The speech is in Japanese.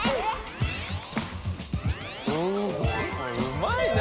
うまいな。